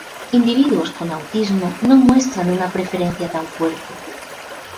Individuos con autismo no muestran una preferencia tan fuerte.